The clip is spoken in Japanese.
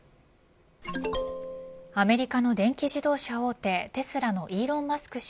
アメリカの電気自動車大手テスラのイーロン・マスク